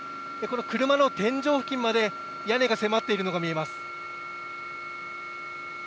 この車の天井付近まで、屋根が迫っているのが見えます。